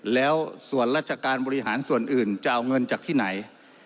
แล้วส่วนราชการบริหารส่วนอื่นจะเอาเงินจากที่ไหน